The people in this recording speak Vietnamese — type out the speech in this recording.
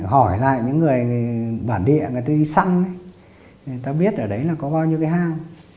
hỏi lại những người bản địa người ta đi săn ấy người ta biết ở đấy là có bao nhiêu cái hang